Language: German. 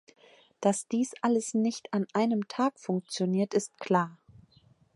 Dass dies alles nicht an einem Tag funktioniert, ist klar.